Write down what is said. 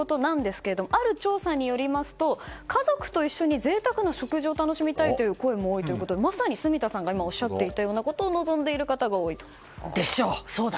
ある調査によりますと家族と一緒に贅沢な食事を楽しみたいという声も多いということでまさに住田さんがおっしゃっていたようなことをでしょ！